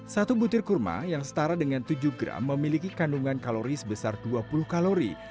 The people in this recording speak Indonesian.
satu butir kurma yang setara dengan tujuh gram memiliki kandungan kalori sebesar dua puluh kalori